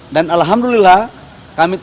dan alhamdulillah kami telah melakukan solusi